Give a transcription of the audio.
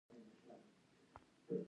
ځواب یې را نه کړ، اړتیا یې هم نه درلوده.